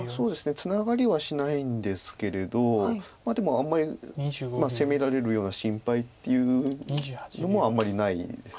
ツナがりはしないんですけれどでもあんまり攻められるような心配っていうのもあんまりないです。